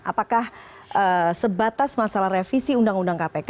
apakah sebatas masalah revisi undang undang kpk